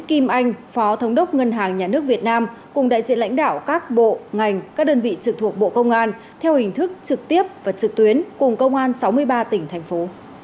kim anh phó thống đốc ngân hàng nhà nước việt nam cùng đại diện lãnh đạo các bộ ngành các đơn vị trực thuộc bộ công an theo hình thức trực tiếp và trực tuyến cùng công an sáu mươi ba tỉnh thành phố